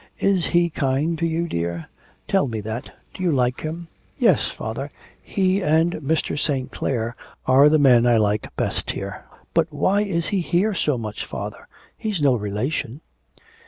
Is he kind to you, dear; tell me that; do you like him?' 'Yes, father; he and Mr. St. Clare are the men I like best here. But why is he here so much, father, he's no relation.'